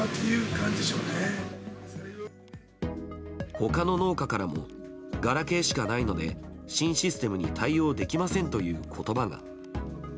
他の農家からもガラケーしかないので新システムに対応できませんという言葉が。